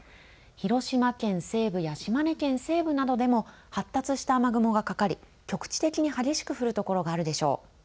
広島県西部や島根県西部などでも発達した雨雲がかかり局地的に激しく降る所があるでしょう。